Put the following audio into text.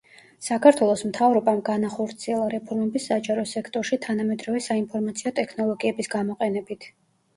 საქართველოს მთავრობამ განახორციელა რეფორმები საჯარო სექტორში თანამედროვე საინფორმაციო ტექნოლოგიების გამოყენებით.